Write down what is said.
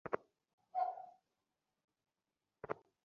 হ্যাঁ, আমি প্রায় পৌঁছে গেছি।